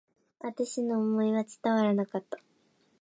私の思いは伝わらなかった。